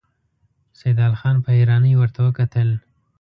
سيدال خان په حيرانۍ ورته وکتل.